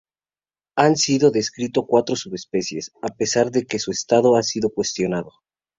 Se han descrito cuatro subespecies, a pesar de que su estado ha sido cuestionado.